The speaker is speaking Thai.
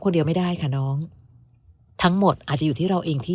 คนเดียวไม่ได้ค่ะน้องทั้งหมดอาจจะอยู่ที่เราเองที่